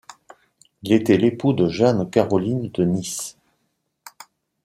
Il était l'époux de Jeanne-Caroline De Nis.